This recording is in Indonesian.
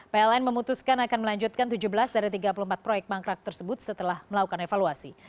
pln memutuskan akan melanjutkan tujuh belas dari tiga puluh empat proyek mangkrak tersebut setelah melakukan evaluasi